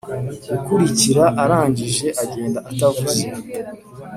gikurikira arangije agenda atavuze